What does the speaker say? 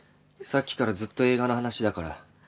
さっきからずっと映画の話だから。